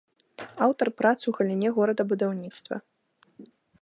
Аўтар прац у галіне горадабудаўніцтва.